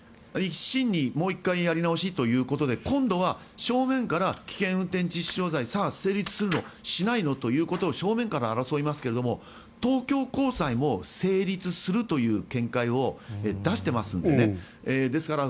１審にもう１回やり直しということで今度は正面から危険運転致死傷罪さあ、成立するのしないのということを正面から争いますけど東京高裁も成立するという見解を出してますのでです